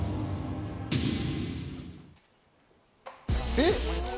えっ？